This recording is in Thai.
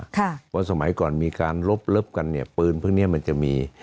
เพราะสมัยก่อนมีการลบกันปืนพรุ่งนี้มันจะมี